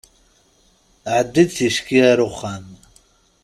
Ɛeddi-d ticki ar uxxam!